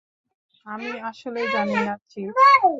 আমি আসলেই জানি না, চিফ।